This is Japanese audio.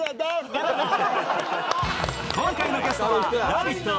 今回のゲストは「ラヴィット！」